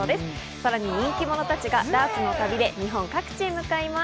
さらに人気者たちがダーツの旅で日本各地へ向かいます。